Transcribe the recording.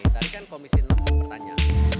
tadi kan komisi enam bertanya